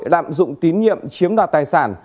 lạm dụng tín nhiệm chiếm đoạt tài sản